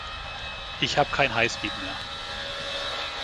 Ich hab kein Highspeed mehr.